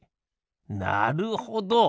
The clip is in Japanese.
なるほど！